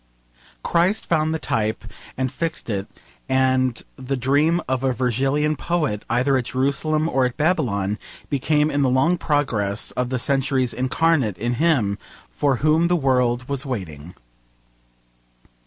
Christ found the type and fixed it, and the dream of a Virgilian poet, either at Jerusalem or at Babylon, became in the long progress of the centuries incarnate in him for whom the world was waiting.